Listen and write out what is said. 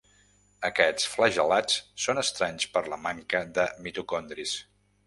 Aquests flagel·lats són estranys per la manca de mitocondris.